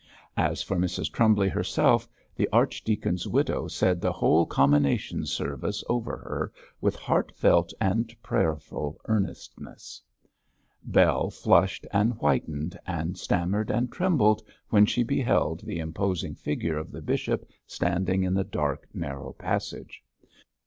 As for Mrs Trumbly herself, the archdeacon's widow said the whole Commination Service over her with heartfelt and prayerful earnestness. Bell flushed and whitened, and stammered and trembled, when she beheld the imposing figure of the bishop standing in the dark, narrow passage.